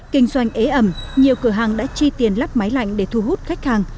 kinh doanh ế ẩm nhiều cửa hàng đã chi tiền lắp máy lạnh để thu hút khách hàng